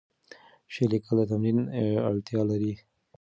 شعر لیکل د تمرین اړتیا لري.